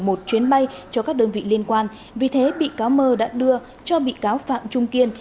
một chuyến bay cho các đơn vị liên quan vì thế bị cáo mơ đã đưa cho bị cáo phạm trung kiên